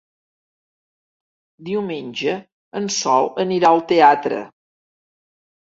Diumenge en Sol anirà al teatre.